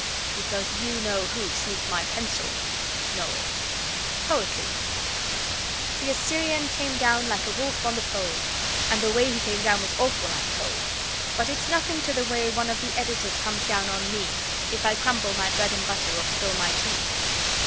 (Because YOU KNOW WHO sneaked my pencil. NOEL.) POETRY The Assyrian came down like a wolf on the fold, And the way he came down was awful, I'm told; But it's nothing to the way one of the Editors comes down on me, If I crumble my bread and butter or spill my tea.